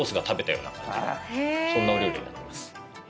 そんなお料理になってます。